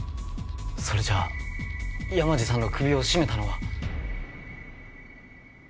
それじゃあ山路さんの首を絞めたのは。